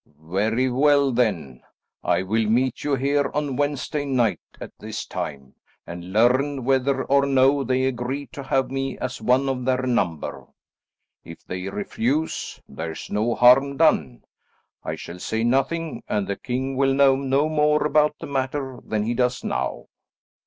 "Very well, then, I will meet you here on Wednesday night at this time, and learn whether or no they agree to have me as one of their number. If they refuse, there's no harm done; I shall say nothing, and the king will know no more about the matter than he does now."